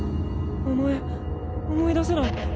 名前思い出せない。